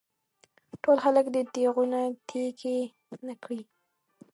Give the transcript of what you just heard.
ټول خلک دې تېغونه تېکې ته کړي.